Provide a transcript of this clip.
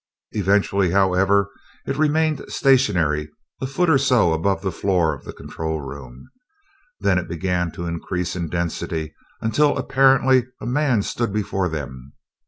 Eventually, however, it remained stationary a foot or so above the floor of the control room. Then it began to increase in density until apparently a man stood before them.